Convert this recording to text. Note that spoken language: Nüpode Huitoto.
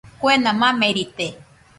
Kuena mamerite.